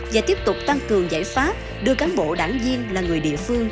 và tiếp tục tăng cường giải pháp đưa cán bộ đảng viên là người địa phương